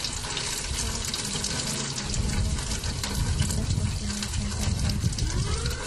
Todos los involucrados en el largo caso sin resolver por fin encuentran paz.